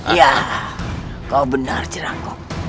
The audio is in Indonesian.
ya kau benar ceranggong